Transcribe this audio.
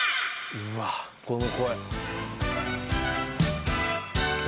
うわっこの声。